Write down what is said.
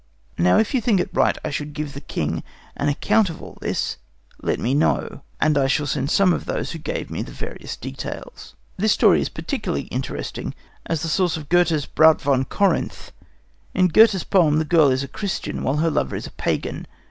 "Now, if you think it right that I should give the King an account of all this, let me know, and I will send some of those who gave me the various details." The story is particularly interesting, as the source of Goethe's Braut von Korinth. In Goethe's poem the girl is a Christian, while her lover is a pagan.